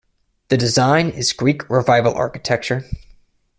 The design is Greek Revival architecture.